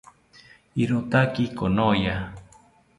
Irotaki konoya